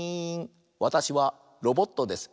わたしはロボットです。